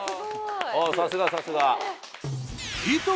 さすがさすが！